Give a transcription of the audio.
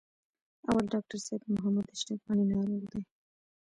اول: ډاکټر صاحب محمد اشرف غني ناروغ دی.